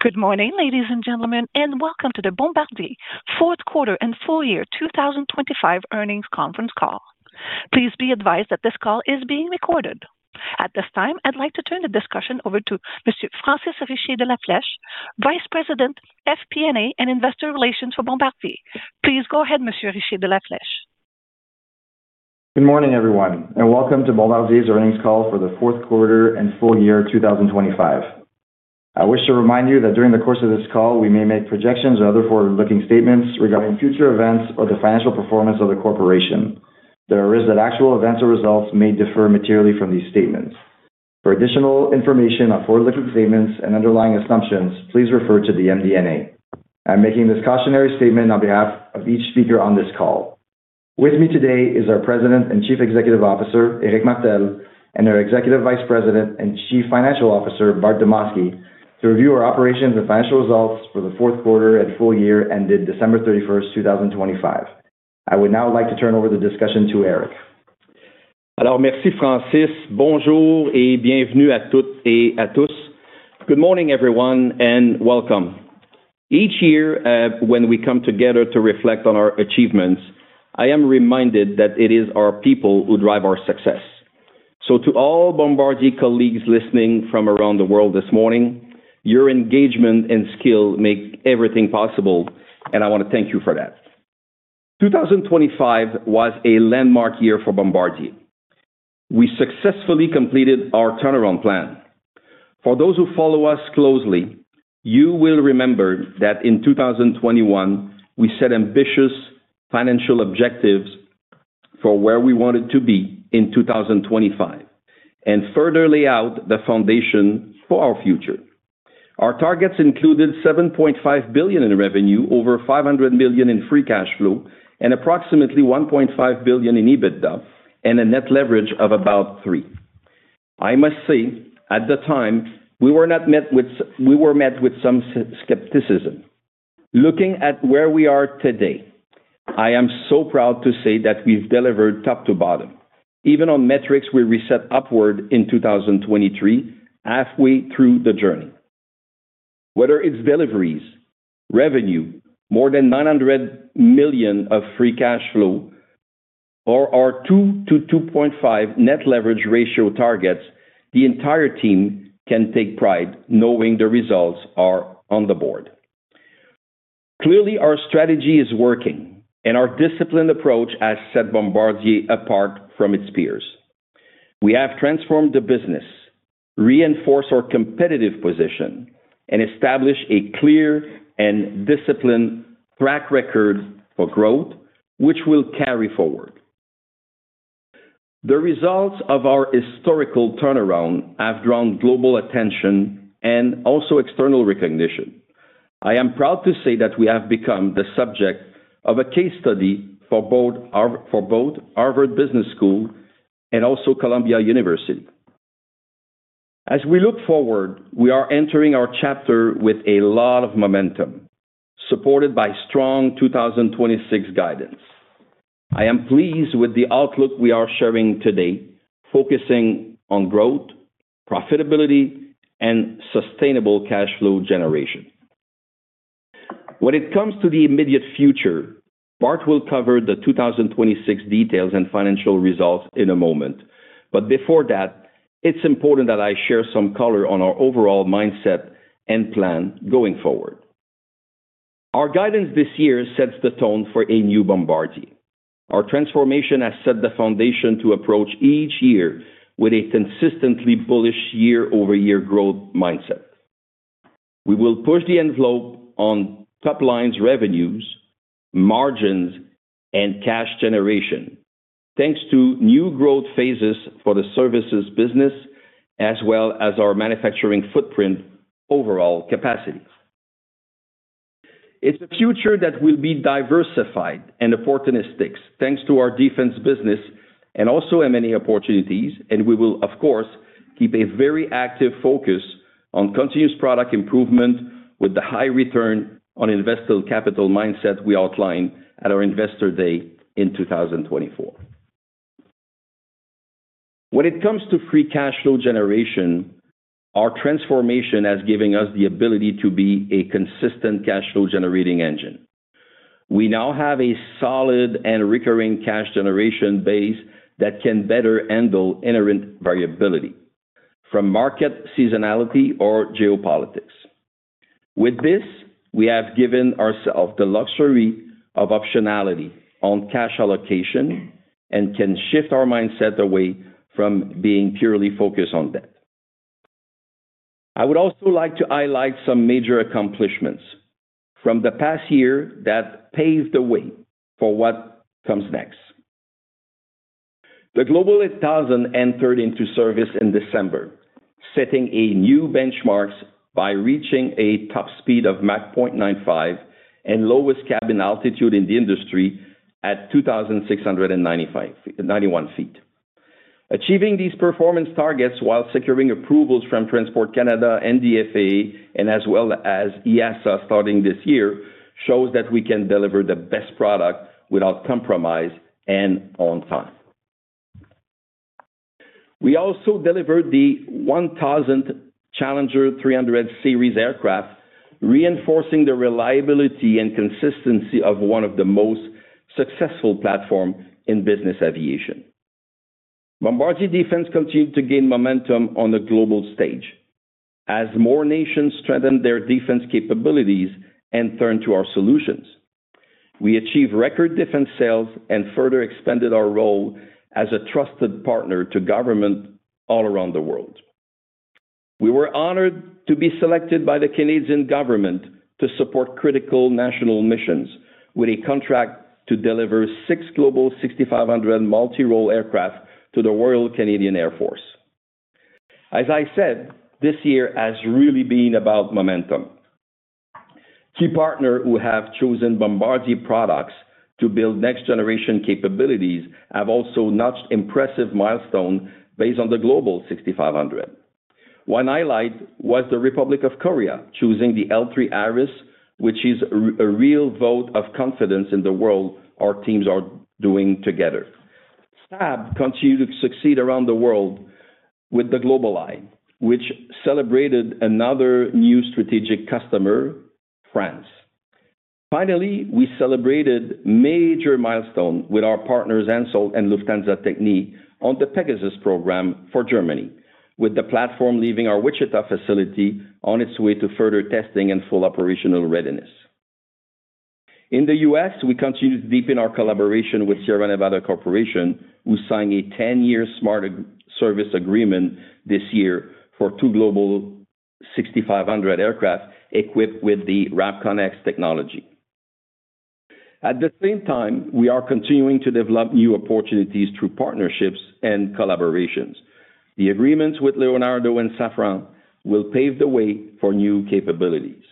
Good morning, ladies and gentlemen, and welcome to the Bombardier fourth quarter and full year 2025 earnings conference call. Please be advised that this call is being recorded. At this time, I'd like to turn the discussion over to Monsieur Francis Richer de La Flèche, Vice President, FP&A, and Investor Relations for Bombardier. Please go ahead, Monsieur Richer de La Flèche. Good morning, everyone, and welcome to Bombardier's earnings call for the fourth quarter and full year 2025. I wish to remind you that during the course of this call, we may make projections or other forward-looking statements regarding future events or the financial performance of the corporation. There is that actual events or results may differ materially from these statements. For additional information on forward-looking statements and underlying assumptions, please refer to the MD&A. I'm making this cautionary statement on behalf of each speaker on this call. With me today is our President and Chief Executive Officer, Éric Martel, and our Executive Vice President and Chief Financial Officer, Bart Demosky, to review our operations and financial results for the fourth quarter and full year ended December 31, 2025. I would now like to turn over the discussion to Éric. Alors merci, Francis. Bonjour et bienvenue à toutes et à tous. Good morning, everyone, and welcome. Each year, when we come together to reflect on our achievements, I am reminded that it is our people who drive our success. So to all Bombardier colleagues listening from around the world this morning, your engagement and skill make everything possible, and I want to thank you for that. 2025 was a landmark year for Bombardier. We successfully completed our turnaround plan. For those who follow us closely, you will remember that in 2021, we set ambitious financial objectives for where we wanted to be in 2025 and further lay out the foundation for our future. Our targets included $7.5 billion in revenue, over $500 million in free cash flow, and approximately $1.5 billion in EBITDA, and a net leverage of about 3. I must say, at the time, we were met with some skepticism. Looking at where we are today, I am so proud to say that we've delivered top to bottom, even on metrics we reset upward in 2023, halfway through the journey. Whether it's deliveries, revenue, more than $900 million of free cash flow, or our 2-2.5 net leverage ratio targets, the entire team can take pride knowing the results are on the board. Clearly, our strategy is working, and our disciplined approach has set Bombardier apart from its peers. We have transformed the business, reinforced our competitive position, and established a clear and disciplined track record for growth, which will carry forward. The results of our historical turnaround have drawn global attention and also external recognition. I am proud to say that we have become the subject of a case study for both Harvard Business School and also Columbia University. As we look forward, we are entering our chapter with a lot of momentum, supported by strong 2026 guidance. I am pleased with the outlook we are sharing today, focusing on growth, profitability, and sustainable cash flow generation. When it comes to the immediate future, Bart will cover the 2026 details and financial results in a moment. But before that, it's important that I share some color on our overall mindset and plan going forward. Our guidance this year sets the tone for a new Bombardier. Our transformation has set the foundation to approach each year with a consistently bullish year-over-year growth mindset. We will push the envelope on top lines revenues, margins, and cash generation, thanks to new growth phases for the services business, as well as our manufacturing footprint overall capacities. It's a future that will be diversified and opportunistic, thanks to our defense business and also M&A opportunities, and we will, of course, keep a very active focus on continuous product improvement with the high return on invested capital mindset we outlined at our Investor Day in 2024. When it comes to free cash flow generation, our transformation has given us the ability to be a consistent cash flow generating engine. We now have a solid and recurring cash generation base that can better handle inherent variability from market seasonality or geopolitics. With this, we have given ourselves the luxury of optionality on cash allocation and can shift our mindset away from being purely focused on debt. I would also like to highlight some major accomplishments from the past year that paved the way for what comes next. The Global 8000 entered into service in December, setting a new benchmark by reaching a top speed of Mach 0.95 and lowest cabin altitude in the industry at 2,691 feet. Achieving these performance targets while securing approvals from Transport Canada and the FAA, as well as EASA starting this year, shows that we can deliver the best product without compromise and on time. We also delivered the 1,000th Challenger 300 series aircraft, reinforcing the reliability and consistency of one of the most successful platform in business aviation. Bombardier Defense continued to gain momentum on the global stage as more nations strengthen their defense capabilities and turn to our solutions. We achieved record defense sales and further expanded our role as a trusted partner to government all around the world. We were honored to be selected by the Canadian government to support critical national missions, with a contract to deliver 6 Global 6500 multi-role aircraft to the Royal Canadian Air Force. As I said, this year has really been about momentum. Key partner who have chosen Bombardier products to build next-generation capabilities have also notched impressive milestone based on the Global 6500. One highlight was the Republic of Korea choosing the L3Harris, which is a real vote of confidence in the world our teams are doing together. Saab continued to succeed around the world with the GlobalEye, which celebrated another new strategic customer, France. Finally, we celebrated major milestone with our partners, Hensoldt and Lufthansa Technik, on the Pegasus program for Germany, with the platform leaving our Wichita facility on its way to further testing and full operational readiness. In the U.S., we continue to deepen our collaboration with Sierra Nevada Corporation, who signed a ten-year smart service agreement this year for two Global 6,500 aircraft equipped with the RAPCON-X technology. At the same time, we are continuing to develop new opportunities through partnerships and collaborations. The agreements with Leonardo and Safran will pave the way for new capabilities.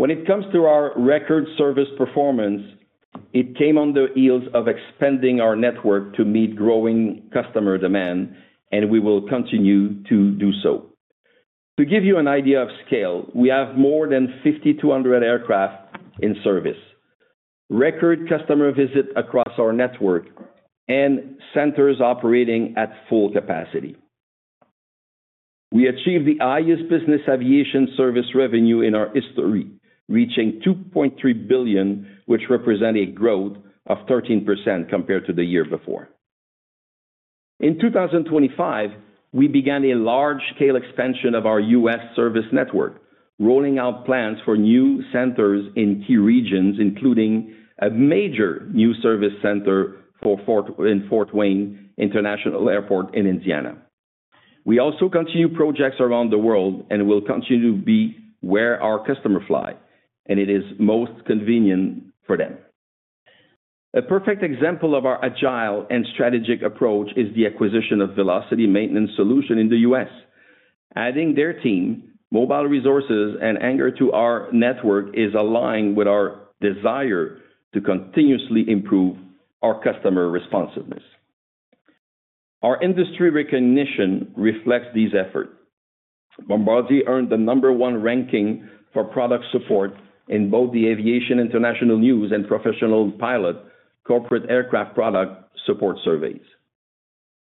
When it comes to our record service performance, it came on the heels of expanding our network to meet growing customer demand, and we will continue to do so. To give you an idea of scale, we have more than 5,200 aircraft in service, record customer visit across our network, and centers operating at full capacity. We achieved the highest business aviation service revenue in our history, reaching $2.3 billion, which represent a growth of 13% compared to the year before. In 2025, we began a large-scale expansion of our U.S. service network, rolling out plans for new centers in key regions, including a major new service center in Fort Wayne International Airport in Indiana. We also continue projects around the world and will continue to be where our customer fly, and it is most convenient for them. A perfect example of our agile and strategic approach is the acquisition of Velocity Maintenance Solution in the U.S. Adding their team, mobile resources, and hangar to our network is aligned with our desire to continuously improve our customer responsiveness. Our industry recognition reflects these efforts. Bombardier earned the number one ranking for product support in both the Aviation International News and Professional Pilot Corporate Aircraft Product Support surveys.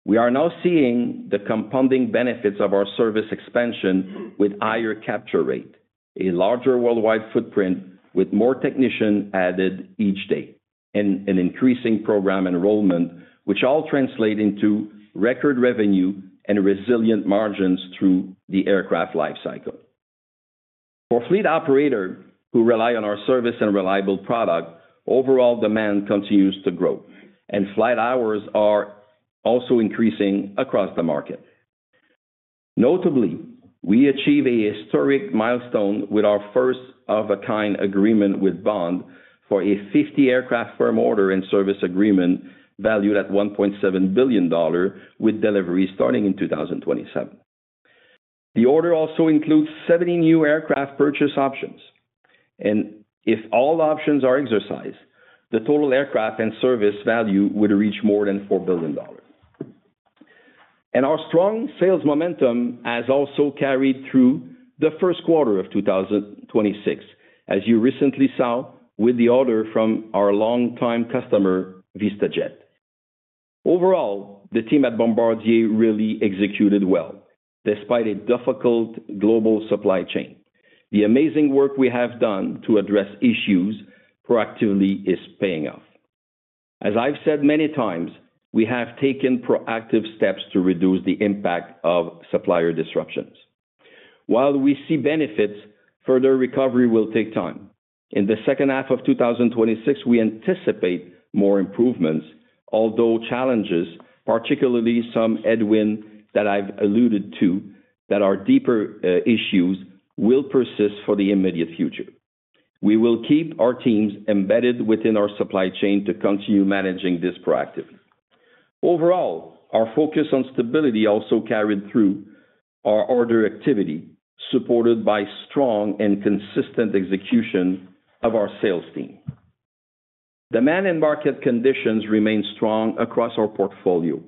We are now seeing the compounding benefits of our service expansion with higher capture rate, a larger worldwide footprint with more technicians added each day, and an increasing program enrollment, which all translate into record revenue and resilient margins through the aircraft life cycle. For fleet operators who rely on our service and reliable product, overall demand continues to grow, and flight hours are also increasing across the market. Notably, we achieve a historic milestone with our first-of-a-kind agreement with Bond for a 50-aircraft firm order and service agreement valued at $1.7 billion, with delivery starting in 2027. The order also includes 70 new aircraft purchase options, and if all options are exercised, the total aircraft and service value would reach more than $4 billion. Our strong sales momentum has also carried through the first quarter of 2026, as you recently saw with the order from our longtime customer, VistaJet. Overall, the team at Bombardier really executed well, despite a difficult global supply chain. The amazing work we have done to address issues proactively is paying off. As I've said many times, we have taken proactive steps to reduce the impact of supplier disruptions. While we see benefits, further recovery will take time. In the second half of 2026, we anticipate more improvements, although challenges, particularly some headwind that I've alluded to, that are deeper issues, will persist for the immediate future. We will keep our teams embedded within our supply chain to continue managing this proactively. Overall, our focus on stability also carried through our order activity, supported by strong and consistent execution of our sales team. Demand and market conditions remain strong across our portfolio,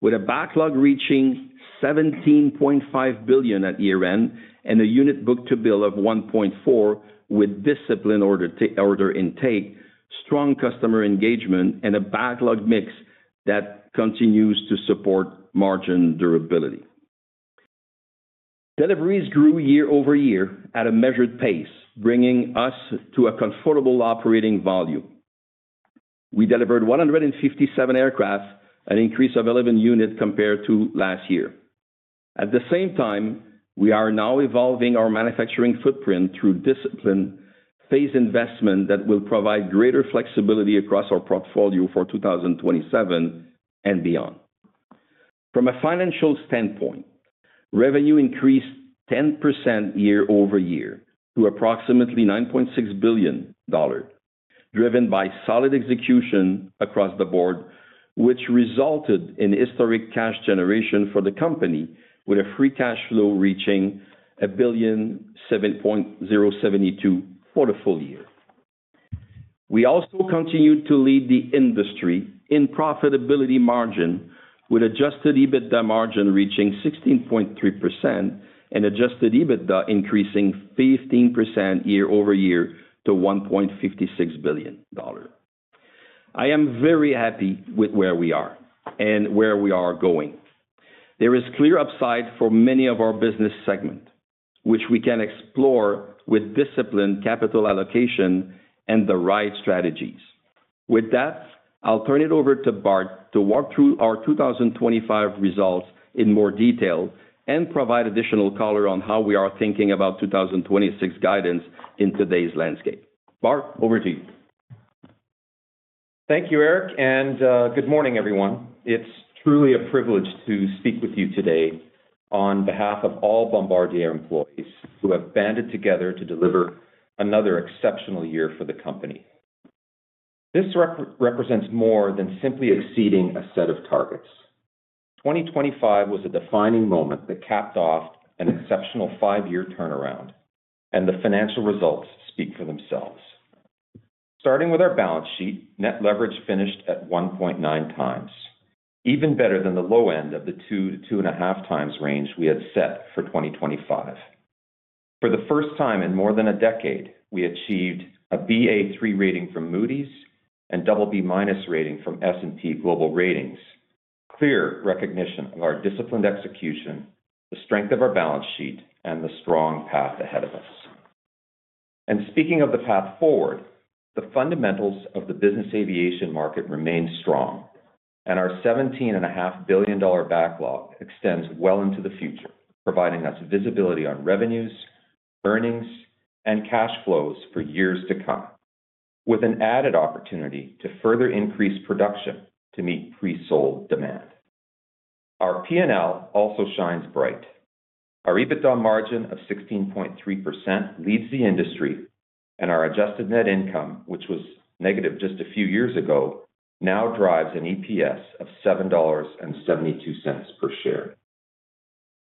with a backlog reaching $17.5 billion at year-end and a unit book-to-bill of 1.4, with disciplined order intake, strong customer engagement, and a backlog mix that continues to support margin durability. Deliveries grew year-over-year at a measured pace, bringing us to a comfortable operating volume. We delivered 157 aircraft, an increase of 11 units compared to last year. At the same time, we are now evolving our manufacturing footprint through disciplined phase investment that will provide greater flexibility across our portfolio for 2027 and beyond. From a financial standpoint, revenue increased 10% year-over-year to approximately $9.6 billion, driven by solid execution across the board, which resulted in historic cash generation for the company, with a free cash flow reaching $1.072 billion for the full year. We also continued to lead the industry in profitability margin, with Adjusted EBITDA margin reaching 16.3% and Adjusted EBITDA increasing 15% year-over-year to $1.56 billion. I am very happy with where we are and where we are going. There is clear upside for many of our business segments, which we can explore with disciplined capital allocation and the right strategies. With that, I'll turn it over to Bart to walk through our 2025 results in more detail and provide additional color on how we are thinking about 2026 guidance in today's landscape. Bart, over to you. Thank you, Éric, and good morning, everyone. It's truly a privilege to speak with you today on behalf of all Bombardier employees who have banded together to deliver another exceptional year for the company. This represents more than simply exceeding a set of targets. 2025 was a defining moment that capped off an exceptional five-year turnaround, and the financial results speak for themselves. Starting with our balance sheet, net leverage finished at 1.9x, even better than the low end of the 2-2.5x range we had set for 2025. For the first time in more than a decade, we achieved a Ba3 rating from Moody's and BB- rating from S&P Global Ratings, clear recognition of our disciplined execution, the strength of our balance sheet, and the strong path ahead of us. Speaking of the path forward, the fundamentals of the business aviation market remain strong, and our $17.5 billion backlog extends well into the future, providing us visibility on revenues, earnings, and cash flows for years to come, with an added opportunity to further increase production to meet pre-sold demand. Our P&L also shines bright. Our EBITDA margin of 16.3% leads the industry, and our adjusted net income, which was negative just a few years ago, now drives an EPS of $7.72 per share.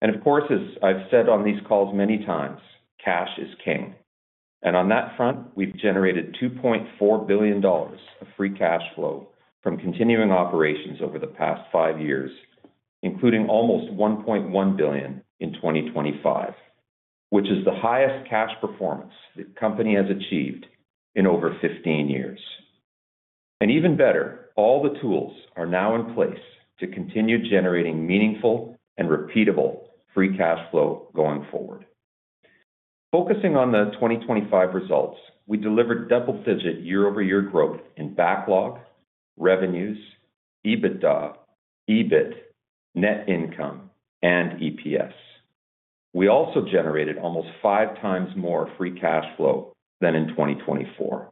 Of course, as I've said on these calls many times, cash is king. And on that front, we've generated $2.4 billion of free cash flow from continuing operations over the past 5 years, including almost $1.1 billion in 2025, which is the highest cash performance the company has achieved in over 15 years. And even better, all the tools are now in place to continue generating meaningful and repeatable free cash flow going forward. Focusing on the 2025 results, we delivered double-digit year-over-year growth in backlog, revenues, EBITDA, EBIT, net income, and EPS. We also generated almost 5x more free cash flow than in 2024.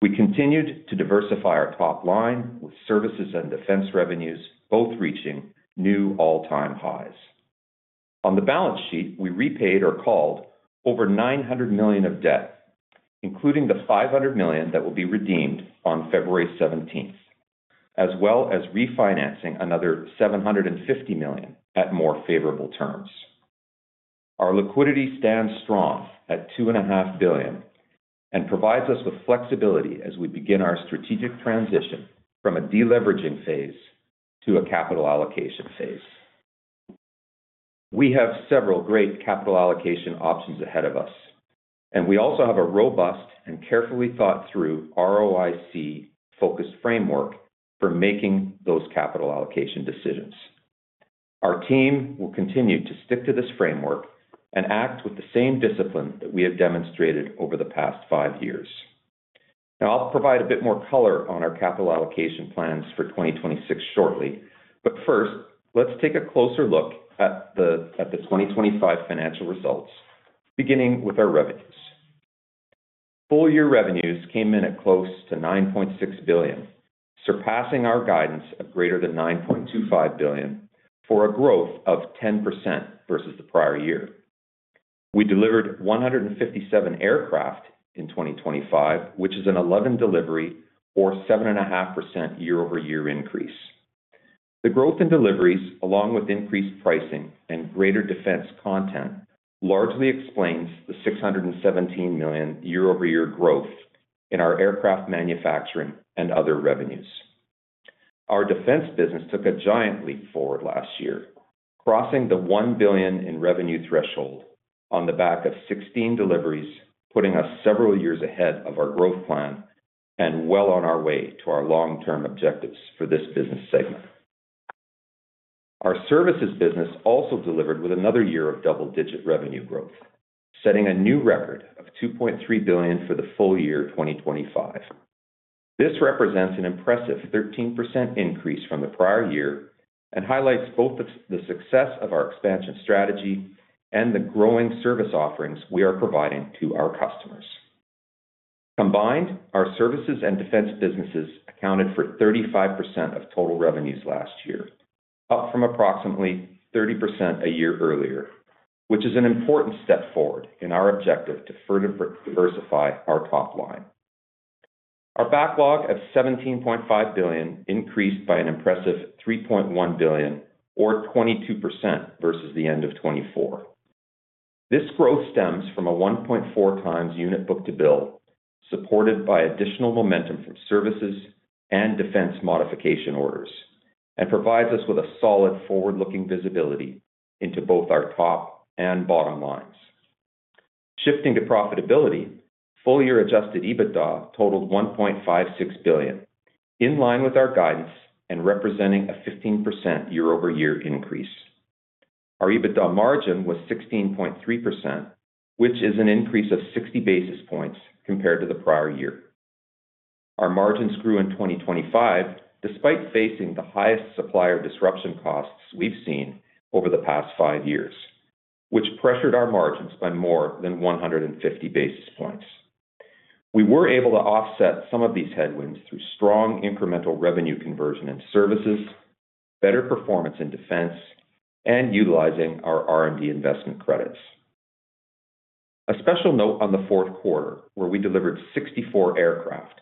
We continued to diversify our top line, with services and defense revenues both reaching new all-time highs. On the balance sheet, we repaid or called over $900 million of debt, including the $500 million that will be redeemed on February seventeenth, as well as refinancing another $750 million at more favorable terms. Our liquidity stands strong at $2.5 billion and provides us with flexibility as we begin our strategic transition from a deleveraging phase to a capital allocation phase. We have several great capital allocation options ahead of us, and we also have a robust and carefully thought-through ROIC-focused framework for making those capital allocation decisions. Our team will continue to stick to this framework and act with the same discipline that we have demonstrated over the past five years. Now, I'll provide a bit more color on our capital allocation plans for 2026 shortly. But first, let's take a closer look at the 2025 financial results, beginning with our revenues. Full-year revenues came in at close to $9.6 billion, surpassing our guidance of greater than $9.25 billion, for a growth of 10% versus the prior year. We delivered 157 aircraft in 2025, which is an 11-delivery or 7.5% year-over-year increase. The growth in deliveries, along with increased pricing and greater defense content, largely explains the $617 million year-over-year growth in our aircraft manufacturing and other revenues.... Our defense business took a giant leap forward last year, crossing the $1 billion in revenue threshold on the back of 16 deliveries, putting us several years ahead of our growth plan and well on our way to our long-term objectives for this business segment. Our services business also delivered with another year of double-digit revenue growth, setting a new record of $2.3 billion for the full year 2025. This represents an impressive 13% increase from the prior year and highlights both the success of our expansion strategy and the growing service offerings we are providing to our customers. Combined, our services and defense businesses accounted for 35% of total revenues last year, up from approximately 30% a year earlier, which is an important step forward in our objective to further diversify our top line. Our backlog of $17.5 billion increased by an impressive $3.1 billion or 22% versus the end of 2024. This growth stems from a 1.4x unit book-to-bill, supported by additional momentum from services and defense modification orders, and provides us with a solid forward-looking visibility into both our top and bottom lines. Shifting to profitability, full-year adjusted EBITDA totaled $1.56 billion, in line with our guidance and representing a 15% year-over-year increase. Our EBITDA margin was 16.3%, which is an increase of 60 basis points compared to the prior year. Our margins grew in 2025, despite facing the highest supplier disruption costs we've seen over the past 5 years, which pressured our margins by more than 150 basis points. We were able to offset some of these headwinds through strong incremental revenue conversion in services, better performance in defense, and utilizing our R&D investment credits. A special note on the fourth quarter, where we delivered 64 aircraft,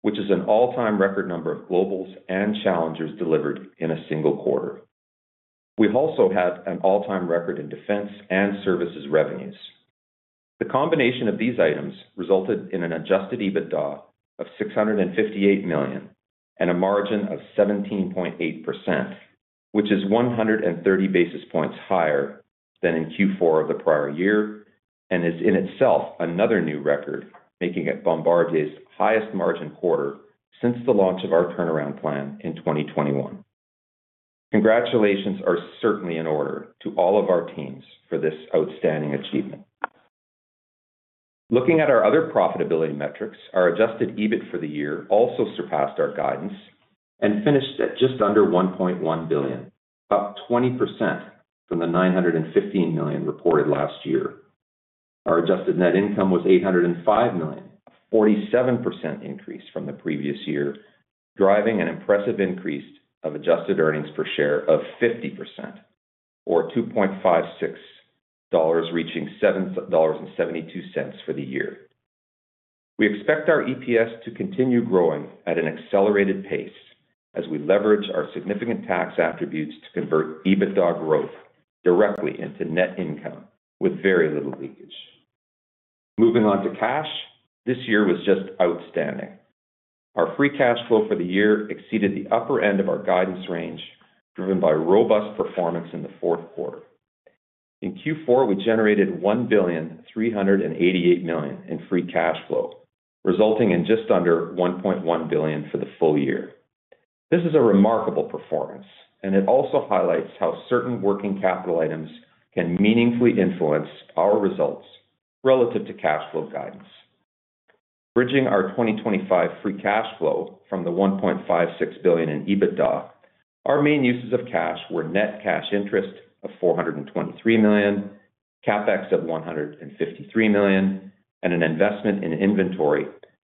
which is an all-time record number of Globals and Challengers delivered in a single quarter. We've also had an all-time record in defense and services revenues. The combination of these items resulted in an adjusted EBITDA of $658 million and a margin of 17.8%, which is 130 basis points higher than in Q4 of the prior year, and is in itself another new record, making it Bombardier's highest margin quarter since the launch of our turnaround plan in 2021. Congratulations are certainly in order to all of our teams for this outstanding achievement. Looking at our other profitability metrics, our Adjusted EBIT for the year also surpassed our guidance and finished at just under $1.1 billion, up 20% from the $915 million reported last year. Our Adjusted net income was $805 million, a 47% increase from the previous year, driving an impressive increase of Adjusted earnings per share of 50% or $2.56, reaching $7.72 for the year. We expect our EPS to continue growing at an accelerated pace as we leverage our significant tax attributes to convert EBITDA growth directly into net income with very little leakage. Moving on to cash, this year was just outstanding. Our free cash flow for the year exceeded the upper end of our guidance range, driven by robust performance in the fourth quarter. In Q4, we generated $1.388 billion in free cash flow, resulting in just under $1.1 billion for the full year. This is a remarkable performance, and it also highlights how certain working capital items can meaningfully influence our results relative to cash flow guidance. Bridging our 2025 free cash flow from the $1.56 billion in EBITDA, our main uses of cash were net cash interest of $423 million, CapEx of $153 million, and an investment in inventory,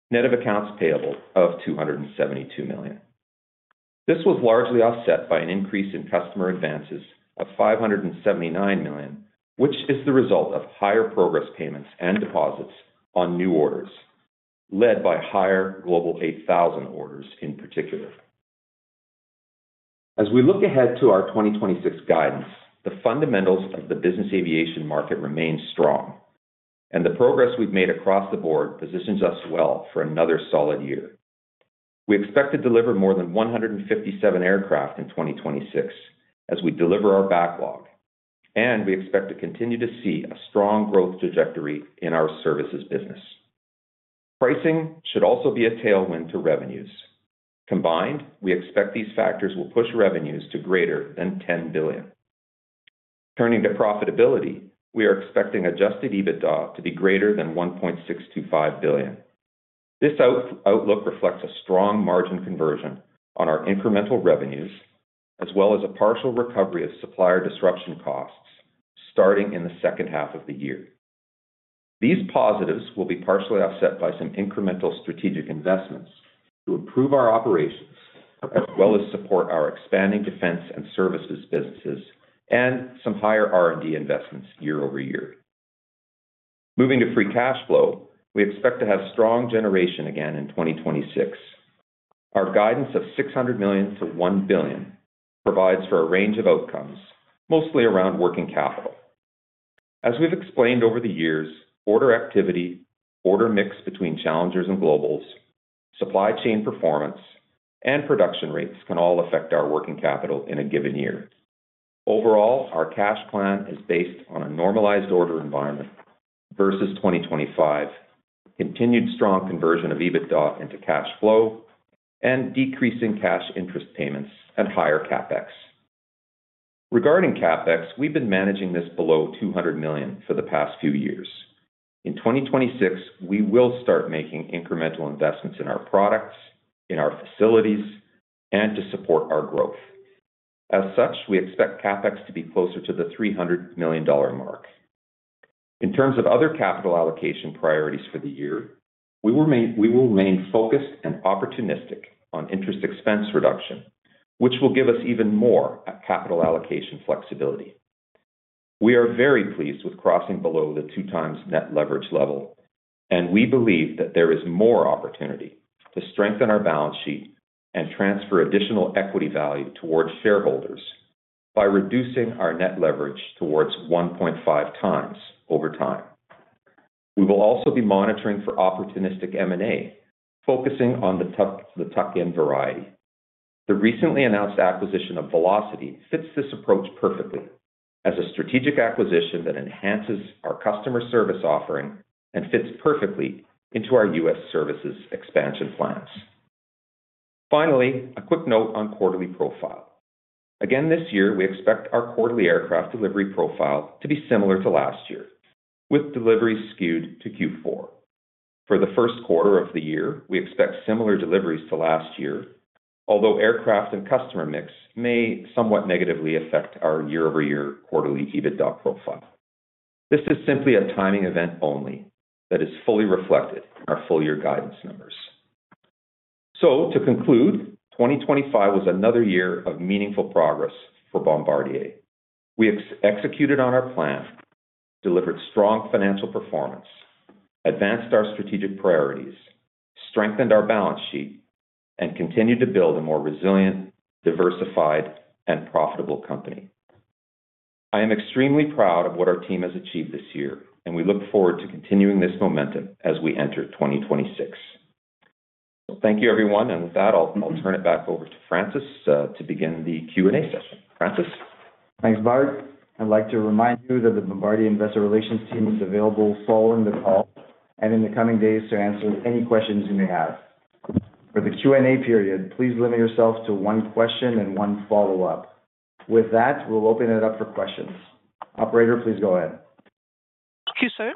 net of accounts payable of $272 million. This was largely offset by an increase in customer advances of $579 million, which is the result of higher progress payments and deposits on new orders, led by higher Global 8000 orders in particular. As we look ahead to our 2026 guidance, the fundamentals of the business aviation market remain strong, and the progress we've made across the board positions us well for another solid year. We expect to deliver more than 157 aircraft in 2026 as we deliver our backlog, and we expect to continue to see a strong growth trajectory in our services business. Pricing should also be a tailwind to revenues. Combined, we expect these factors will push revenues to greater than $10 billion. Turning to profitability, we are expecting adjusted EBITDA to be greater than $1.625 billion. This outlook reflects a strong margin conversion on our incremental revenues, as well as a partial recovery of supplier disruption costs starting in the second half of the year. These positives will be partially offset by some incremental strategic investments to improve our operations, as well as support our expanding defense and services businesses and some higher R&D investments year over year. Moving to free cash flow, we expect to have strong generation again in 2026. Our guidance of $600 million-$1 billion provides for a range of outcomes, mostly around working capital. As we've explained over the years, order activity, order mix between challengers and globals, supply chain performance, and production rates can all affect our working capital in a given year. Overall, our cash plan is based on a normalized order environment versus 2025, continued strong conversion of EBITDA into cash flow, and decreasing cash interest payments and higher CapEx. Regarding CapEx, we've been managing this below $200 million for the past few years. In 2026, we will start making incremental investments in our products, in our facilities, and to support our growth. As such, we expect CapEx to be closer to the $300 million mark. In terms of other capital allocation priorities for the year, we will remain focused and opportunistic on interest expense reduction, which will give us even more capital allocation flexibility. We are very pleased with crossing below the 2x net leverage level, and we believe that there is more opportunity to strengthen our balance sheet and transfer additional equity value towards shareholders by reducing our net leverage towards 1.5x over time. We will also be monitoring for opportunistic M&A, focusing on the tuck, the tuck-in variety. The recently announced acquisition of Velocity fits this approach perfectly as a strategic acquisition that enhances our customer service offering and fits perfectly into our U.S. services expansion plans. Finally, a quick note on quarterly profile. Again, this year, we expect our quarterly aircraft delivery profile to be similar to last year, with deliveries skewed to Q4. For the first quarter of the year, we expect similar deliveries to last year, although aircraft and customer mix may somewhat negatively affect our year-over-year quarterly EBITDA profile. This is simply a timing event only that is fully reflected in our full year guidance numbers. To conclude, 2025 was another year of meaningful progress for Bombardier. We executed on our plan, delivered strong financial performance, advanced our strategic priorities, strengthened our balance sheet, and continued to build a more resilient, diversified, and profitable company. I am extremely proud of what our team has achieved this year, and we look forward to continuing this momentum as we enter 2026. Thank you, everyone, and with that, I'll turn it back over to Francis to begin the Q&A session. Francis? Thanks, Bart. I'd like to remind you that the Bombardier Investor Relations team is available following the call and in the coming days to answer any questions you may have. For the Q&A period, please limit yourselves to one question and one follow-up. With that, we'll open it up for questions. Operator, please go ahead. Thank you, sir.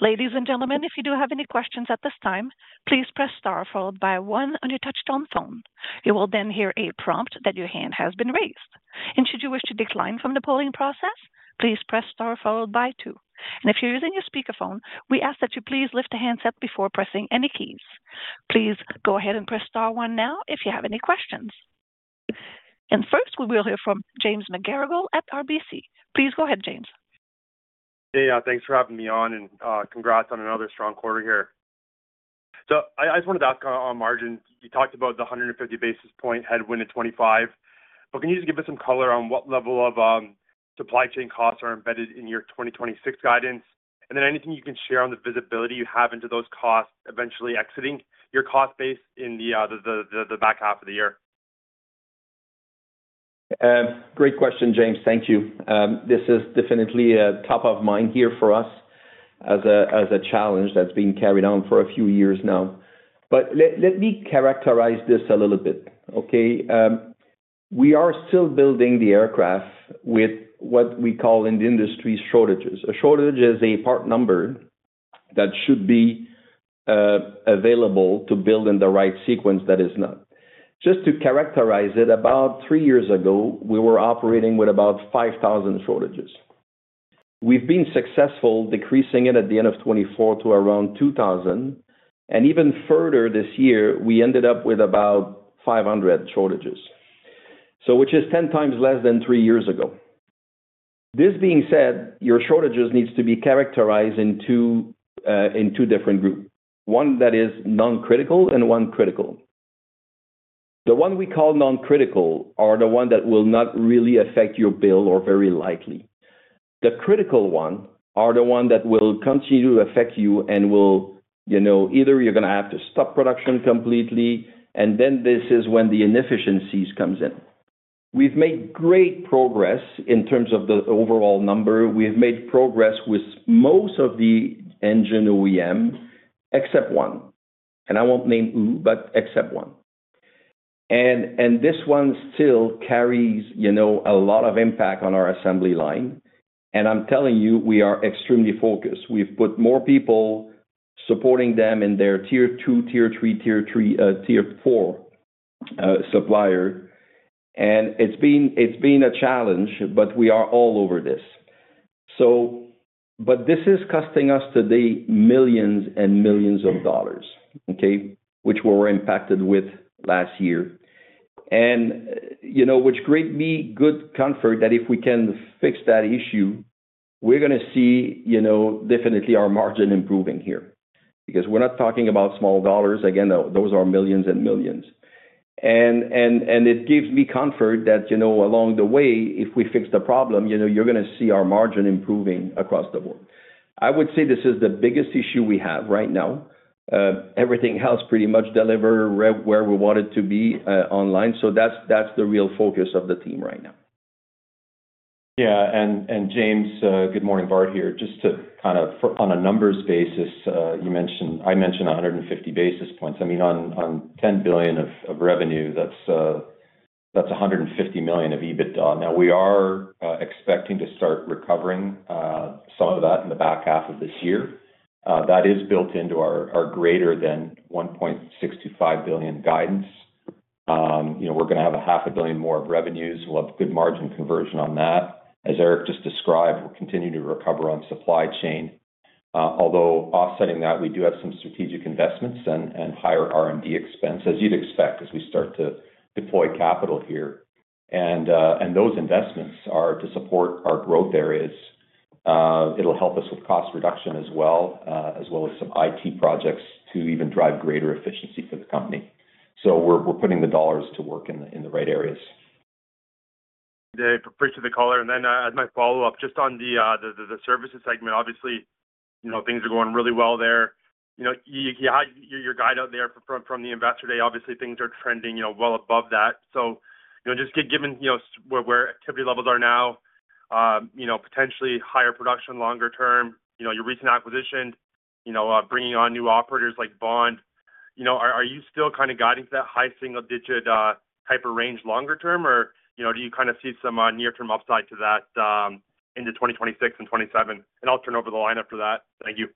Ladies and gentlemen, if you do have any questions at this time, please press star followed by one on your touchtone phone. You will then hear a prompt that your hand has been raised. And should you wish to decline from the polling process, please press star followed by two. And if you're using your speakerphone, we ask that you please lift the handset before pressing any keys. Please go ahead and press star one now if you have any questions. And first, we will hear from James McGarragle at RBC. Please go ahead, James. Hey, yeah, thanks for having me on, and congrats on another strong quarter here. So I just wanted to ask on margins. You talked about the 150 basis point headwind in 2025, but can you just give us some color on what level of supply chain costs are embedded in your 2026 guidance? And then anything you can share on the visibility you have into those costs eventually exiting your cost base in the back half of the year? Great question, James. Thank you. This is definitely a top of mind here for us as a challenge that's been carried on for a few years now. But let me characterize this a little bit, okay? We are still building the aircraft with what we call in the industry, shortages. A shortage is a part number that should be available to build in the right sequence, that is not. Just to characterize it, about three years ago, we were operating with about 5,000 shortages. We've been successful decreasing it at the end of 2024 to around 2,000, and even further this year, we ended up with about 500 shortages. So which is 10x less than three years ago. This being said, your shortages needs to be characterized in two different groups. One that is non-critical and one critical. The one we call non-critical are the one that will not really affect your build or very likely. The critical one are the one that will continue to affect you and will, you know, either you're gonna have to stop production completely, and then this is when the inefficiencies comes in. We've made great progress in terms of the overall number. We have made progress with most of the engine OEM, except one, and I won't name who, but except one. And this one still carries, you know, a lot of impact on our assembly line, and I'm telling you, we are extremely focused. We've put more people supporting them in their tier two, tier three, tier three, tier four, supplier. And it's been, it's been a challenge, but we are all over this. So, but this is costing us today, millions and millions of dollars, okay? Which we were impacted with last year. And, you know, which gives me good comfort that if we can fix that issue, we're gonna see, you know, definitely our margin improving here. Because we're not talking about small dollars. Again, those are millions and millions. And it gives me comfort that, you know, along the way, if we fix the problem, you know, you're going to see our margin improving across the board. I would say this is the biggest issue we have right now. Everything else pretty much delivered right where we want it to be, online. So that's the real focus of the team right now. Yeah. And, James, good morning, Bart here. Just to kind of, on a numbers basis, you mentioned—I mentioned 150 basis points. I mean, on $10 billion of revenue, that's $150 million of EBITDA. Now, we are expecting to start recovering some of that in the back half of this year. That is built into our greater than $1.625 billion guidance. You know, we're going to have $500 million more of revenues. We'll have good margin conversion on that. As Eric just described, we'll continue to recover on supply chain. Although offsetting that, we do have some strategic investments and higher R&D expenses, you'd expect as we start to deploy capital here. And those investments are to support our growth areas. It'll help us with cost reduction as well, as well as some IT projects to even drive greater efficiency for the company. So we're putting the dollars to work in the right areas.... Appreciate the color. And then, as my follow-up, just on the services segment, obviously, you know, things are going really well there. You know, your guide out there from the investor day, obviously, things are trending, you know, well above that. So, you know, just given where activity levels are now, you know, potentially higher production longer term, you know, your recent acquisition, you know, bringing on new operators like Bond. You know, are you still kind of guiding to that high single digit type of range longer term? Or, you know, do you kind of see some near-term upside to that into 2026 and 2027? And I'll turn over the line after that. Thank you.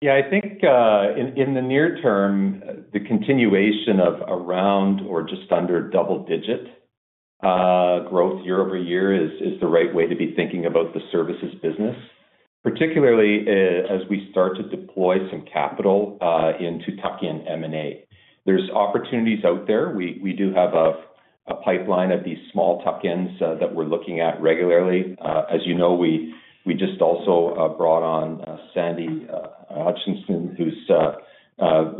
Yeah, I think in the near term, the continuation of around or just under double-digit growth year-over-year is the right way to be thinking about the services business, particularly as we start to deploy some capital into tuck-in M&A. There's opportunities out there. We do have a pipeline of these small tuck-ins that we're looking at regularly. As you know, we just also brought on Sandra Hodgkinson, who's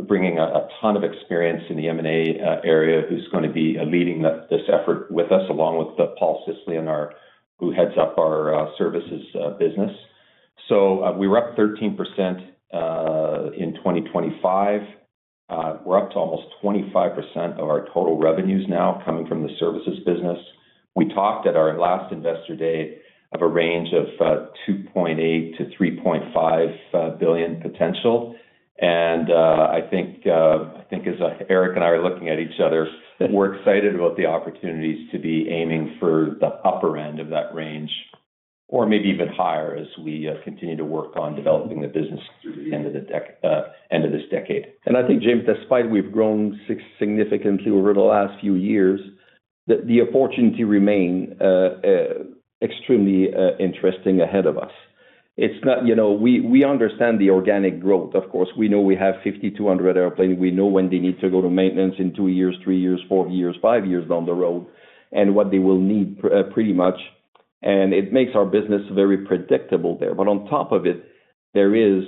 bringing a ton of experience in the M&A area, who's going to be leading this effort with us, along with Paul Sislian, who heads up our services business. So, we're up 13% in 2025. We're up to almost 25% of our total revenues now coming from the services business. We talked at our last Investor Day of a range of $2.8 billion-$3.5 billion potential. And I think I think as Éric and I are looking at each other, we're excited about the opportunities to be aiming for the upper end of that range, or maybe even higher, as we continue to work on developing the business through the end of this decade. And I think, James, despite we've grown significantly over the last few years, the opportunity remain extremely interesting ahead of us. It's not, you know, we understand the organic growth. Of course, we know we have 5,200 airplanes. We know when they need to go to maintenance in two years, three years, four years, five years down the road, and what they will need pretty much. And it makes our business very predictable there. But on top of it, there is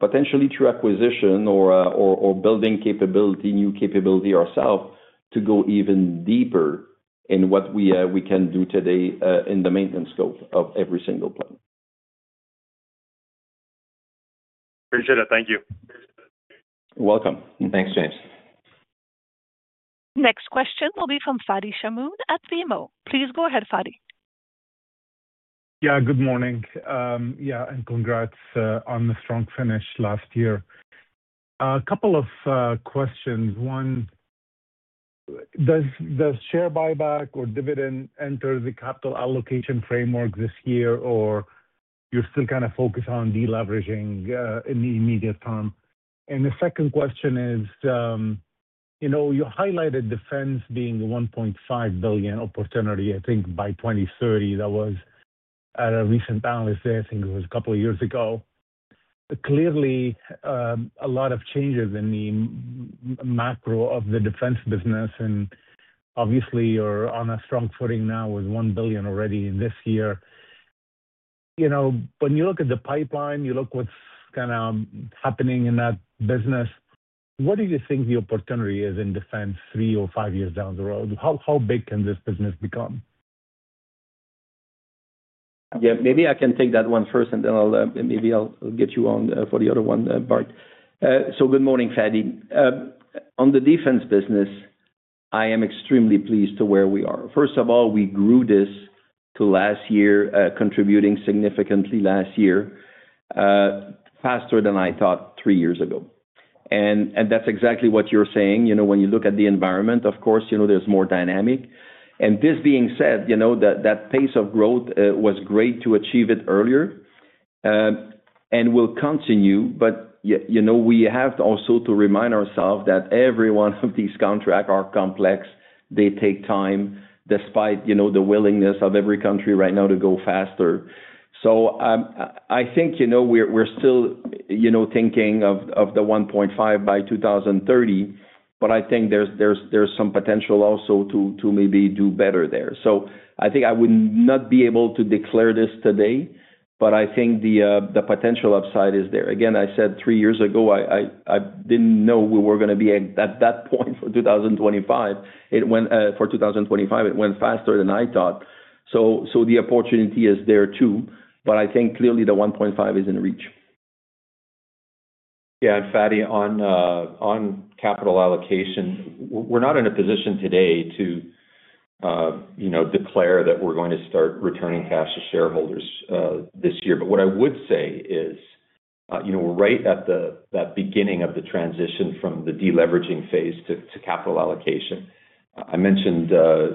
potentially through acquisition or building capability, new capability ourselves, to go even deeper in what we can do today in the maintenance scope of every single plane. Appreciate it. Thank you. You're welcome. Thanks, James. Next question will be from Fadi Chamoun at BMO. Please go ahead, Fadi. Yeah, good morning. Yeah, and congrats on the strong finish last year. A couple of questions. One, does share buyback or dividend enter the capital allocation framework this year, or you're still kind of focused on deleveraging in the immediate term? And the second question is, you know, you highlighted defense being the $1.5 billion opportunity, I think by 2030. That was at a recent panelist there, I think it was a couple of years ago. Clearly, a lot of changes in the macro of the defense business, and obviously, you're on a strong footing now with $1 billion already in this year. You know, when you look at the pipeline, you look what's kind of happening in that business, what do you think the opportunity is in defense 3 or 5 years down the road? How big can this business become? Yeah, maybe I can take that one first, and then I'll, maybe I'll get you on, for the other one, Bart. So good morning, Fadi. On the defense business, I am extremely pleased to where we are. First of all, we grew this to last year, contributing significantly last year, faster than I thought three years ago. And, and that's exactly what you're saying. You know, when you look at the environment, of course, you know, there's more dynamic. And this being said, you know, that, that pace of growth, was great to achieve it earlier, and will continue. But you know, we have to also to remind ourselves that every one of these contracts are complex. They take time, despite, you know, the willingness of every country right now to go faster. So, I think, you know, we're still, you know, thinking of the 1.5 by 2030, but I think there's some potential also to maybe do better there. So I think I would not be able to declare this today, but I think the potential upside is there. Again, I said three years ago, I didn't know we were going to be at that point for 2025. It went for 2025, it went faster than I thought. So the opportunity is there too, but I think clearly the 1.5 is in reach. Yeah, Fadi, on capital allocation, we're not in a position today to, you know, declare that we're going to start returning cash to shareholders, this year. But what I would say is, you know, we're right at that beginning of the transition from the deleveraging phase to capital allocation. I mentioned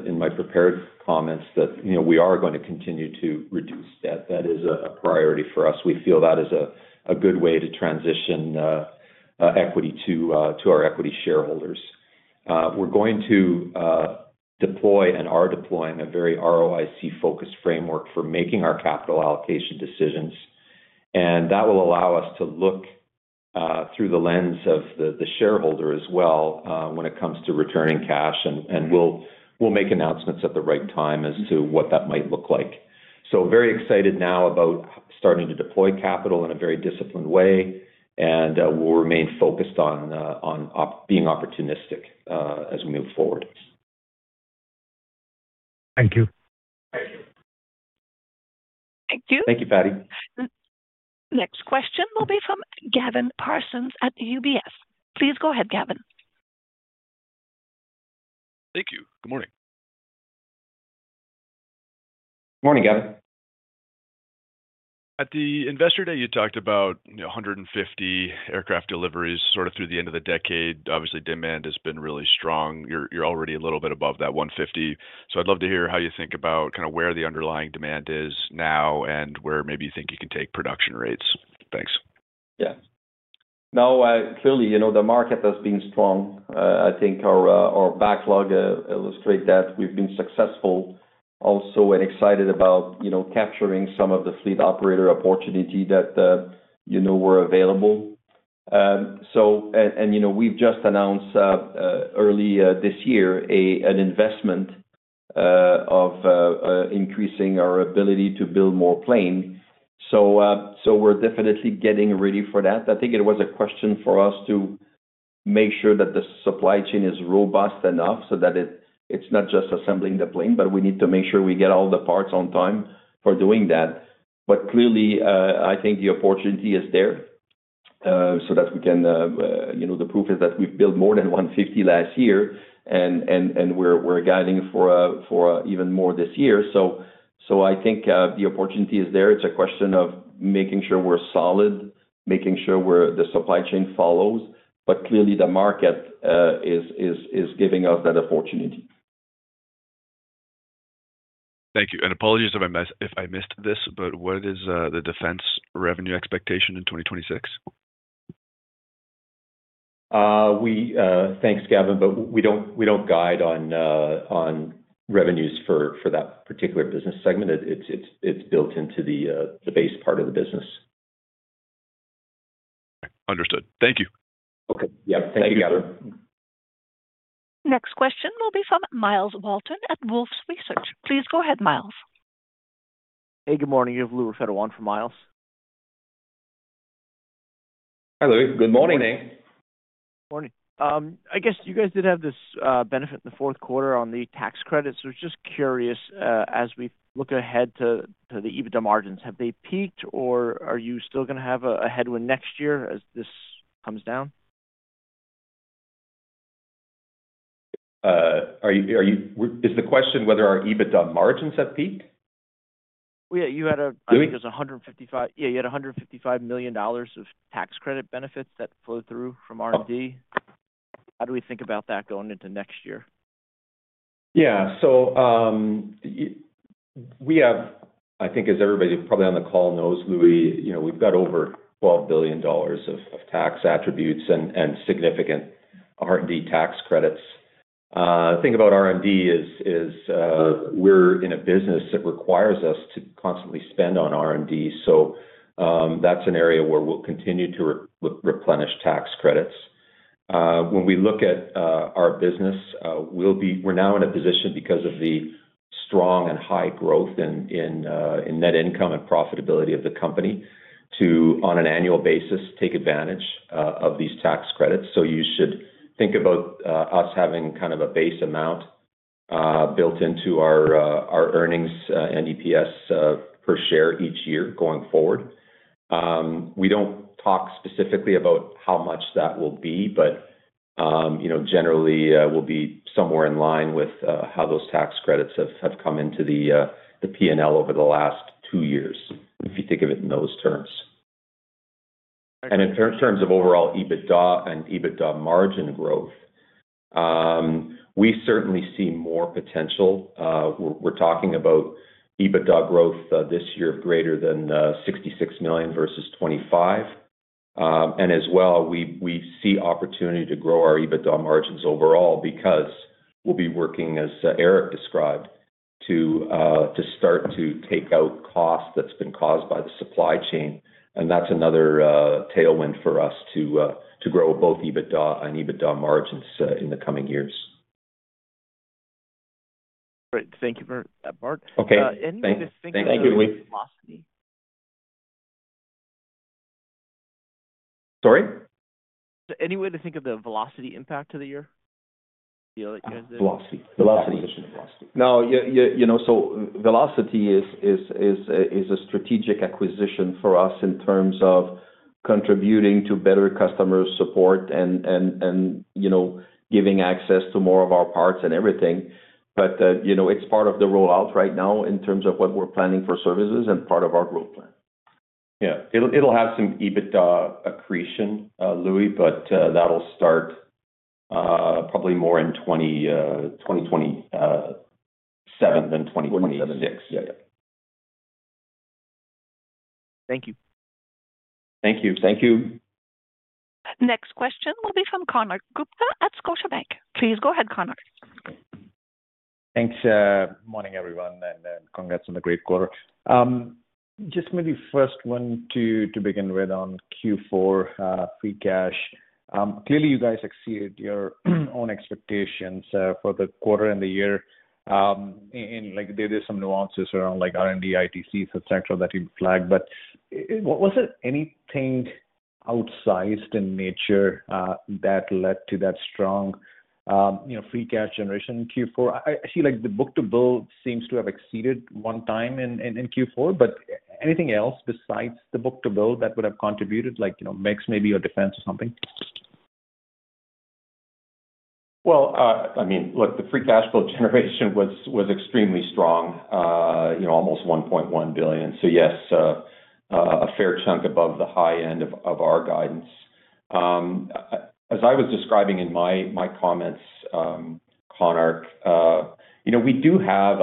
in my prepared comments that, you know, we are going to continue to reduce debt. That is a priority for us. We feel that is a good way to transition equity to our equity shareholders. We're going to deploy and are deploying a very ROIC-focused framework for making our capital allocation decisions, and that will allow us to look through the lens of the shareholder as well, when it comes to returning cash. We'll make announcements at the right time as to what that might look like. So very excited now about starting to deploy capital in a very disciplined way, and we'll remain focused on being opportunistic as we move forward. Thank you. Thank you. Thank you. Thank you, Fadi. Next question will be from Gavin Parsons at UBS. Please go ahead, Gavin. Thank you. Good morning. Morning, Gavin. At the Investor Day, you talked about 150 aircraft deliveries sort of through the end of the decade. Obviously, demand has been really strong. You're, you're already a little bit above that 150. So I'd love to hear how you think about kind of where the underlying demand is now and where maybe you think you can take production rates. Thanks. Yeah. No, clearly, you know, the market has been strong. I think our backlog illustrate that we've been successful also and excited about, you know, capturing some of the fleet operator opportunity that, you know, were available. So, and, you know, we've just announced early this year an investment of increasing our ability to build more planes. So, we're definitely getting ready for that. I think it was a question for us to make sure that the supply chain is robust enough so that it's not just assembling the plane, but we need to make sure we get all the parts on time for doing that. But clearly, I think the opportunity is there, so that we can, you know, the proof is that we've built more than 150 last year, and we're guiding for even more this year. So I think the opportunity is there. It's a question of making sure we're solid, making sure the supply chain follows, but clearly, the market is giving us that opportunity. Thank you, and apologies if I missed this, but what is the defense revenue expectation in 2026? Thanks, Gavin, but we don't guide on revenues for that particular business segment. It's built into the base part of the business. Understood. Thank you. Okay. Yeah. Thank you, Gavin. Next question will be from Miles Walton at Wolfe Research. Please go ahead, Miles. Hey, good morning. You have Louis for Miles. Hi, Louis. Good morning. Morning. Morning. I guess you guys did have this benefit in the fourth quarter on the tax credits. So I was just curious, as we look ahead to the EBITDA margins, have they peaked, or are you still going to have a headwind next year as this comes down? Is the question whether our EBITDA margins have peaked? Yeah, you had a- Goody. I think it was 155. Yeah, you had $155 million of tax credit benefits that flowed through from R&D. Oh. How do we think about that going into next year? Yeah. So, we have, I think as everybody probably on the call knows, Louis, you know, we've got over $12 billion of tax attributes and significant R&D tax credits. The thing about R&D is, we're in a business that requires us to constantly spend on R&D, so, that's an area where we'll continue to replenish tax credits. When we look at our business, we're now in a position because of the strong and high growth in net income and profitability of the company, to, on an annual basis, take advantage of these tax credits. So you should think about us having kind of a base amount built into our earnings and EPS per share each year going forward. We don't talk specifically about how much that will be, but, you know, generally, we'll be somewhere in line with how those tax credits have come into the P&L over the last two years, if you think of it in those terms. And in terms of overall EBITDA and EBITDA margin growth, we certainly see more potential. We're talking about EBITDA growth this year greater than $66 million versus $25 million. And as well, we see opportunity to grow our EBITDA margins overall because we'll be working, as Éric described, to start to take out costs that's been caused by the supply chain, and that's another tailwind for us to grow both EBITDA and EBITDA margins in the coming years.... Great. Thank you for that, Bart. Okay, thank you, Louis. Any way to think of the velocity? Sorry? Any way to think of the Velocity impact to the year, deal that you guys did? Velocity. Velocity. Velocity. No, yeah, yeah, you know, so Velocity is a strategic acquisition for us in terms of contributing to better customer support and you know, giving access to more of our parts and everything. But you know, it's part of the rollout right now in terms of what we're planning for services and part of our growth plan. Yeah. It'll have some EBITDA accretion, Louis, but that'll start probably more in 2027 than 2026. Yeah. Thank you. Thank you. Thank you. Next question will be from Konark Gupta at Scotiabank. Please go ahead, Konark. Thanks. Morning, everyone, and congrats on the great quarter. Just maybe first one to begin with on Q4, free cash. Clearly you guys exceeded your own expectations for the quarter and the year. And like, there is some nuances around, like, R&D, ITCs, et cetera, that you flagged. But was there anything outsized in nature that led to that strong, you know, free cash generation in Q4? I see, like, the book-to-bill seems to have exceeded 1x in Q4, but anything else besides the book-to-bill that would have contributed, like, you know, mix maybe or defense or something? Well, I mean, look, the free cash flow generation was extremely strong, you know, almost $1.1 billion. So yes, a fair chunk above the high end of our guidance. As I was describing in my comments, Konark, you know, we do have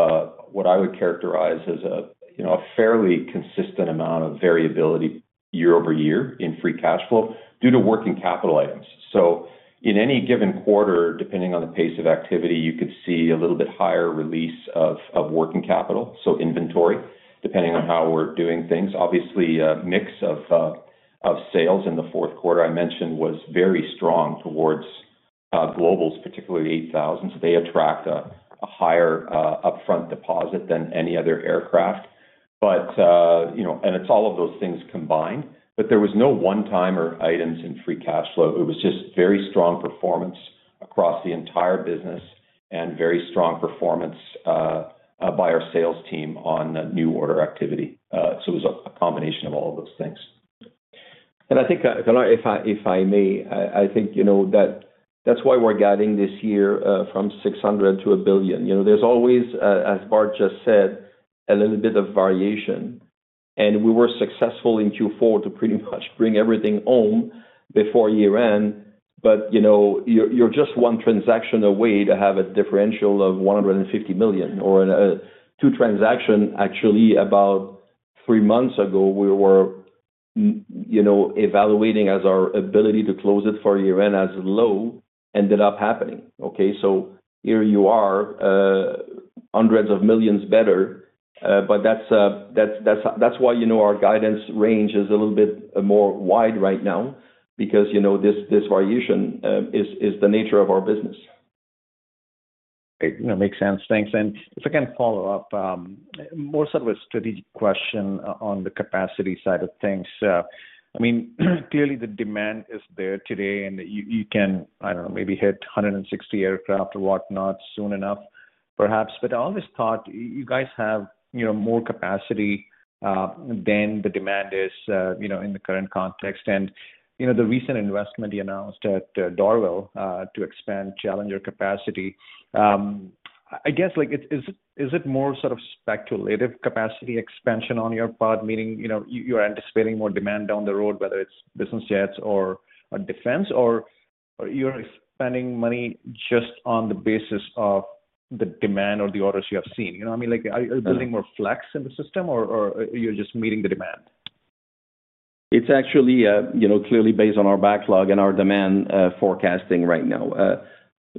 what I would characterize as a, you know, a fairly consistent amount of variability year-over-year in free cash flow due to working capital items. So in any given quarter, depending on the pace of activity, you could see a little bit higher release of working capital, so inventory, depending on how we're doing things. Obviously, mix of sales in the fourth quarter, I mentioned, was very strong towards Globals, particularly 8000. So they attract a higher upfront deposit than any other aircraft. But, you know, and it's all of those things combined. But there was no one-time or items in free cash flow. It was just very strong performance across the entire business and very strong performance by our sales team on new order activity. So it was a combination of all of those things. I think, Konark, if I may, I think, you know, that that's why we're guiding this year from $600 million to $1 billion. You know, there's always a, as Bart just said, a little bit of variation, and we were successful in Q4 to pretty much bring everything home before year-end. But, you know, you're just one transaction away to have a differential of $150 million, or two transactions actually about three months ago, we were, you know, evaluating our ability to close it for year-end as low, ended up happening. Okay, so here you are, hundreds of millions better, but that's why, you know, our guidance range is a little bit more wide right now, because, you know, this variation is the nature of our business. Great. That makes sense. Thanks. And if I can follow up, more sort of a strategic question on the capacity side of things. I mean, clearly the demand is there today, and you, you can, I don't know, maybe hit 160 aircraft or whatnot soon enough, perhaps. But I always thought you, you guys have, you know, more capacity than the demand is, you know, in the current context. And, you know, the recent investment you announced at, Dorval, to expand Challenger capacity, I guess, like, it, is it, is it more sort of speculative capacity expansion on your part? Meaning, you know, you, you're anticipating more demand down the road, whether it's business jets or, defense, or you're spending money just on the basis of the demand or the orders you have seen? You know what I mean? Like, are you building more flex in the system or you're just meeting the demand? It's actually, you know, clearly based on our backlog and our demand, forecasting right now.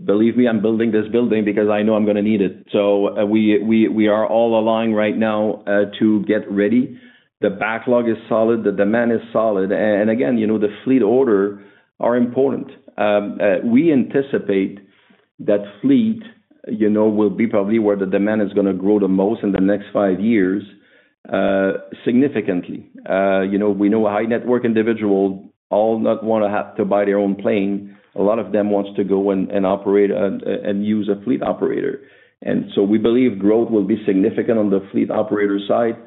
Believe me, I'm building this building because I know I'm going to need it. So we are all aligned right now to get ready. The backlog is solid, the demand is solid. And again, you know, the fleet order are important. We anticipate that fleet, you know, will be probably where the demand is going to grow the most in the next five years, significantly. You know, we know a high-net-worth individual all not want to have to buy their own plane. A lot of them wants to go and operate and use a fleet operator. And so we believe growth will be significant on the fleet operator side.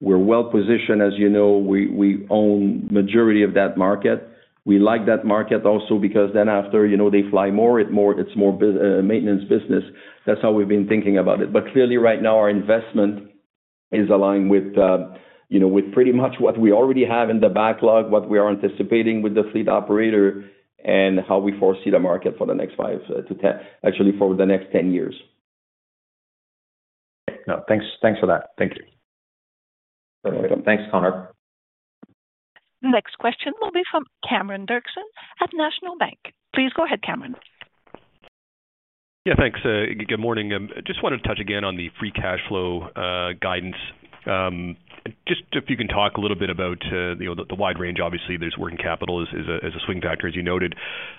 We're well positioned, as you know, we own majority of that market. We like that market also because then after, you know, they fly more. It's more business, maintenance business. That's how we've been thinking about it. But clearly right now, our investment is aligned with, you know, with pretty much what we already have in the backlog, what we are anticipating with the fleet operator, and how we foresee the market for the next five to 10, actually, for the next 10 years. No, thanks. Thanks for that. Thank you. Thanks, Konark. The next question will be from Cameron Doerksen at National Bank. Please go ahead, Cameron. Yeah, thanks. Good morning. I just wanted to touch again on the free cash flow guidance. Just if you can talk a little bit about, you know, the wide range, obviously, there's working capital as a swing factor, as you noted....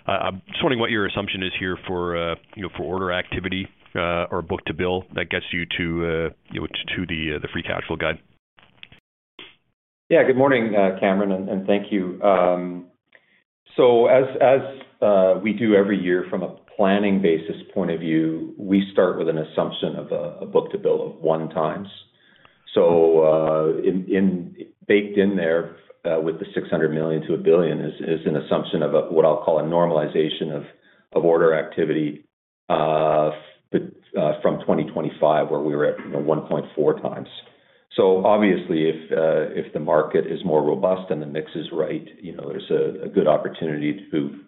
I'm just wondering what your assumption is here for, you know, for order activity, or book-to-bill that gets you to, you know, to the free cash flow guide? Yeah. Good morning, Cameron, and thank you. So as we do every year from a planning basis point of view, we start with an assumption of a book-to-bill of 1 times. So, in baked in there, with the $600 million-$1 billion is an assumption of what I'll call a normalization of order activity, but from 2025, where we were at, you know, 1.4x. So obviously, if the market is more robust and the mix is right, you know, there's a good opportunity to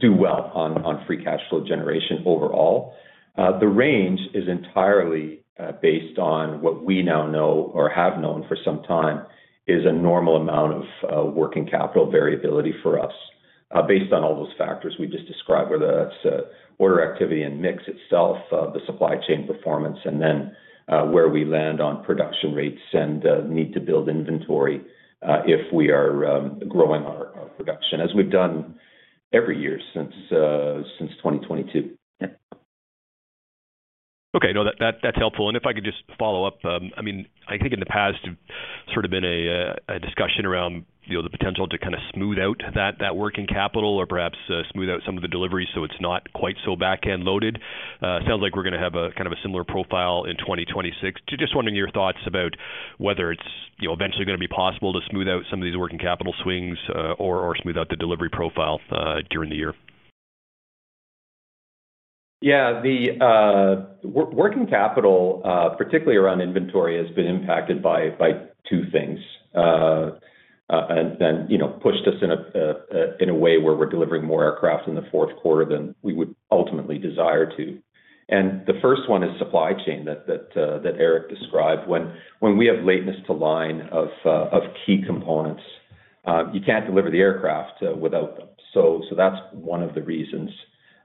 do well on free cash flow generation overall. The range is entirely based on what we now know or have known for some time is a normal amount of working capital variability for us. Based on all those factors we just described, whether that's order activity and mix itself, the supply chain performance, and then where we land on production rates and need to build inventory, if we are growing our production, as we've done every year since 2022. Okay. No, that, that's helpful. If I could just follow up. I mean, I think in the past, there sort of been a discussion around, you know, the potential to kind of smooth out that, that working capital or perhaps smooth out some of the deliveries so it's not quite so back-end loaded. Sounds like we're going to have a kind of a similar profile in 2026. Just wondering your thoughts about whether it's, you know, eventually going to be possible to smooth out some of these working capital swings, or smooth out the delivery profile during the year. Yeah, the working capital, particularly around inventory, has been impacted by two things, and you know, pushed us in a way where we're delivering more aircraft in the fourth quarter than we would ultimately desire to. The first one is supply chain that Éric described. When we have lateness to line of key components, you can't deliver the aircraft without them. So that's one of the reasons.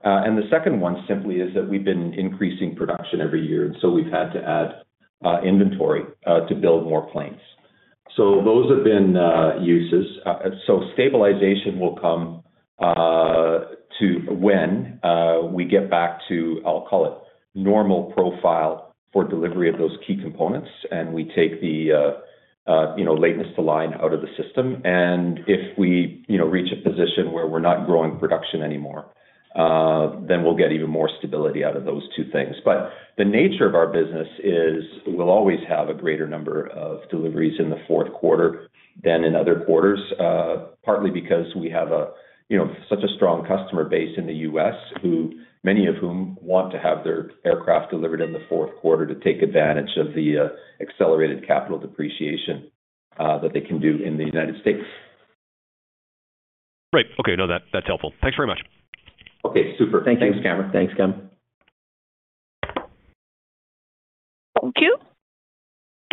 The second one simply is that we've been increasing production every year, and so we've had to add inventory to build more planes. So those have been uses. So stabilization will come to when we get back to, I'll call it, normal profile for delivery of those key components, and we take the, you know, lateness to line out of the system. And if we, you know, reach a position where we're not growing production anymore, then we'll get even more stability out of those two things. But the nature of our business is we'll always have a greater number of deliveries in the fourth quarter than in other quarters, partly because we have a, you know, such a strong customer base in the U.S., many of whom want to have their aircraft delivered in the fourth quarter to take advantage of the accelerated capital depreciation that they can do in the United States. Right. Okay, no, that's helpful. Thanks very much. Okay, super. Thank you. Thanks, Cameron. Thanks, Cameron. Thank you.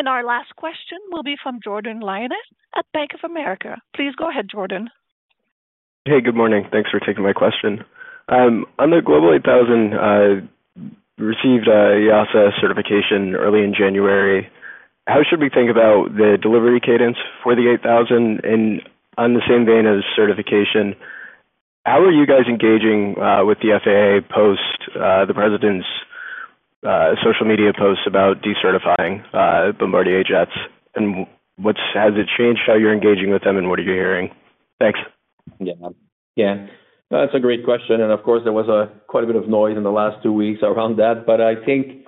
Our last question will be from Jordan Lionet at Bank of America. Please go ahead, Jordan. Hey, good morning. Thanks for taking my question. On the Global 8000, you received a EASA certification early in January. How should we think about the delivery cadence for the 8000? And on the same vein as certification, how are you guys engaging with the FAA post the president's social media posts about decertifying Bombardier jets? And what's-- has it changed how you're engaging with them, and what are you hearing? Thanks. Yeah. Yeah, that's a great question, and of course, there was quite a bit of noise in the last two weeks around that. But I think,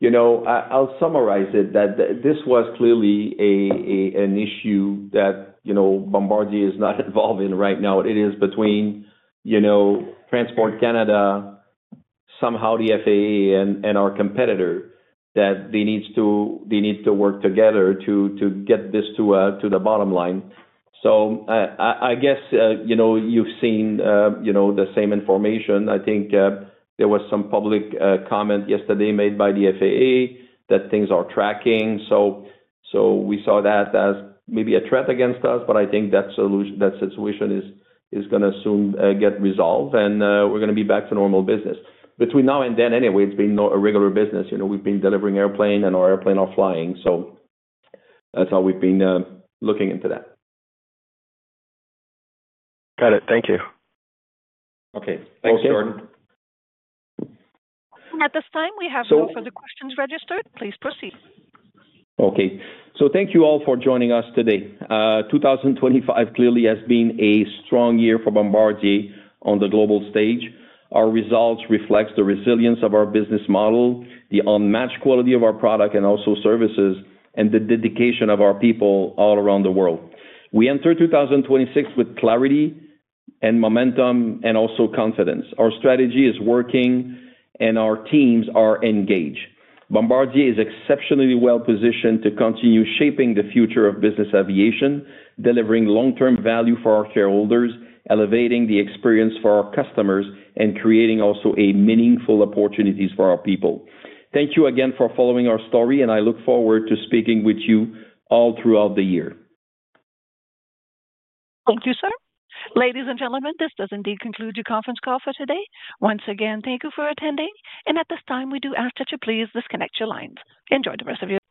you know, I'll summarize it, that this was clearly an issue that, you know, Bombardier is not involved in right now. It is between, you know, Transport Canada, somehow the FAA and our competitor, that they need to work together to get this to the bottom line. So, I guess, you know, you've seen, you know, the same information. I think, there was some public comment yesterday made by the FAA that things are tracking. So, so we saw that as maybe a threat against us, but I think that solution, that situation is, is going to soon get resolved, and we're going to be back to normal business. Between now and then, anyway, it's been a regular business. You know, we've been delivering airplane and our airplane are flying, so that's how we've been looking into that. Got it. Thank you. Okay. Thanks, Jordan. At this time, we have no further questions registered. Please proceed. Okay. So thank you all for joining us today. 2025 clearly has been a strong year for Bombardier on the global stage. Our results reflects the resilience of our business model, the unmatched quality of our product, and also services, and the dedication of our people all around the world. We enter 2026 with clarity and momentum and also confidence. Our strategy is working, and our teams are engaged. Bombardier is exceptionally well-positioned to continue shaping the future of business aviation, delivering long-term value for our shareholders, elevating the experience for our customers, and creating also a meaningful opportunities for our people. Thank you again for following our story, and I look forward to speaking with you all throughout the year. Thank you, sir. Ladies and gentlemen, this does indeed conclude your conference call for today. Once again, thank you for attending, and at this time, we do ask that you please disconnect your lines. Enjoy the rest of your day.